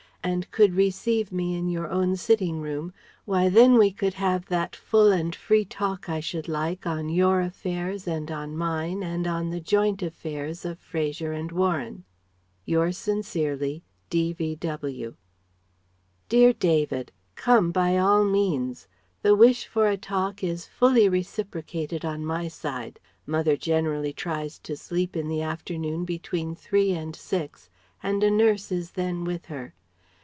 and could receive me in your own sitting room, why then we could have that full and free talk I should like on your affairs and on mine and on the joint affairs of Fraser and Warren. Yours sincerely, D. V. W. DEAR DAVID, Come by all means. The wish for a talk is fully reciprocated on my side. Mother generally tries to sleep in the afternoon between three and six, and a Nurse is then with her.